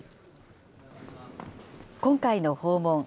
今回の訪問。